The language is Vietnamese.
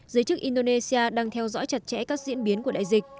giới chức indonesia đang theo dõi chặt chẽ các diễn biến của đại dịch